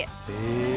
へえ。